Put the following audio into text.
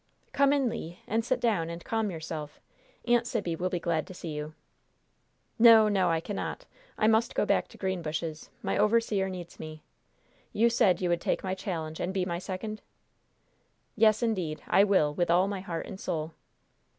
"Come in, Le, and sit down, and calm yourself. Aunt Sibby will be glad to see you." "No, no, I cannot. I must go back to Greenbushes. My overseer needs me. You said you would take my challenge and be my second?" "Yes, indeed, I will, with all my heart and soul!"